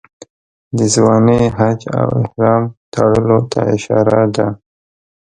د ځوانۍ حج او احرام تړلو ته اشاره ده.